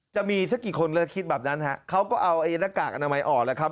จะมีสักกี่คนก็คิดแบบนั้นฮะเขาก็เอาหน้ากากอนามัยออกแล้วครับ